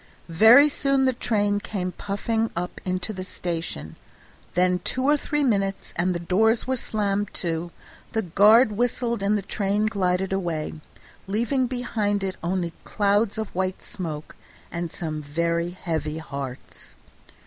Very soon the train came puffing up into the station; then two or three minutes, and the doors were slammed to, the guard whistled, and the train glided away, leaving behind it only clouds of white smoke and some very heavy hearts.